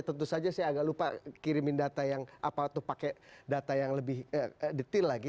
tentu saja saya agak lupa kirimin data yang apa atau pakai data yang lebih detail lagi